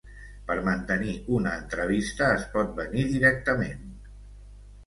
Per mantenir una entrevista, es pot venir directament.